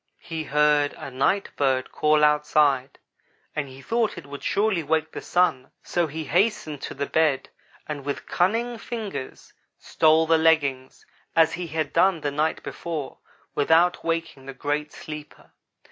He heard a night bird call outside and he thought it would surely wake the Sun; so he hastened to the bed and with cunning fingers stole the leggings, as he had done the night before, without waking the great sleeper.